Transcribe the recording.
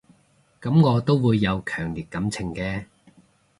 噉我都會有強烈感情嘅